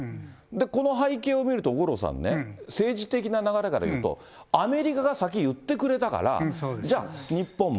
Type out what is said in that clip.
この背景を見ると五郎さんね、政治的な流れからいうと、アメリカが先言ってくれたから、じゃあ、日本も。